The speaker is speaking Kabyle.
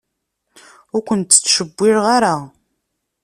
Ur kent-ttcewwileɣ ara.